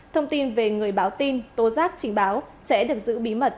thông tin về người báo tin tố giác trình báo sẽ được giữ bí mật